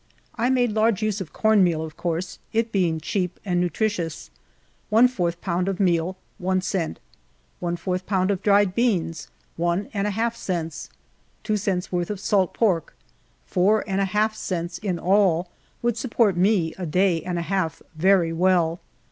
I made large use of cornmeal, of course it being cheap and nutritious. One fourth pound of meal, one cent; one fourth pound of dried beans, one and a half cents; two cents' worth of salt pork ; four and a half cents in all, would support me a day and a half very well.